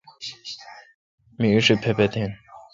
می ایݭی پپتیں۔